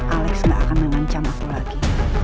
alex gak akan mengancam aku lagi